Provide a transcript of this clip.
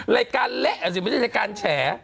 รายการเละอ่ะสิไม่ใช่รายการแฉ